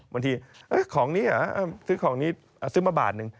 บางทีของนี้เหรอซื้อของนี้ซื้อมาบาทหนึ่ง